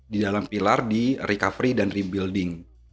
di dalam pilar di recovery dan rebuilding